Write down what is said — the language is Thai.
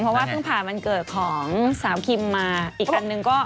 เพราะว่าเพิ่งผ่านวันเกิดของสาวคิมมาอีกคนนึงก็